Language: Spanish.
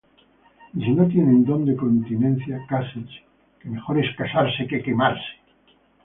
Y si no tienen don de continencia, cásense; que mejor es casarse que quemarse.